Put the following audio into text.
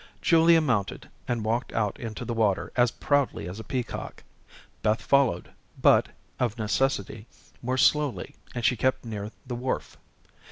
Julia mounted, and walked out into the water as proudly as a peacock. Beth followed, but, of necessity, more slowly, and she kept near the wharf.